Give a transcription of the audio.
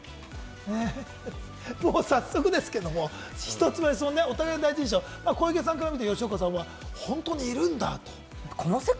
早速ですけれども、１つ目、お互い第一印象、小池さんから見て、吉岡さんは本当にいるんだと。